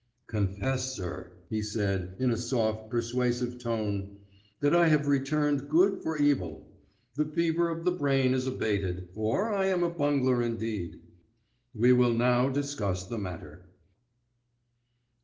"Confess, sir," he said, in a soft persuasive tone, "that I have returned good for evil. The fever of the brain is abated, or I am a bungler indeed. We will now discuss the matter."